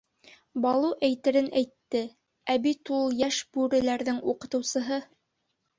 — Балу әйтерен әйтте, ә бит ул йәш бүреләрҙең уҡытыусыһы.